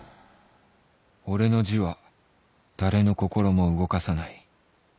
俺の字は誰の心も動かさない